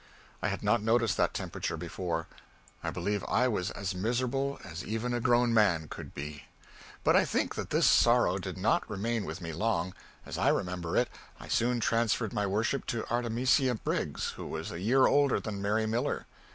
I had not noticed that temperature before. I believe I was as miserable as even a grown man could be. But I think that this sorrow did not remain with me long. As I remember it, I soon transferred my worship to Artimisia Briggs, who was a year older than Mary Miller.